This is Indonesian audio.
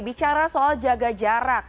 bicara soal jaga jarak